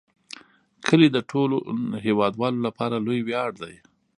کلي د ټولو هیوادوالو لپاره لوی ویاړ دی.